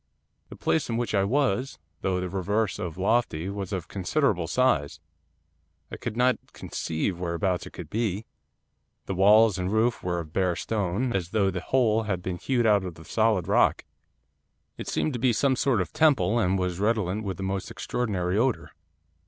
'The place in which I was, though the reverse of lofty, was of considerable size, I could not conceive whereabouts it could be. The walls and roof were of bare stone, as though the whole had been hewed out of the solid rock. It seemed to be some sort of temple, and was redolent with the most extraordinary odour.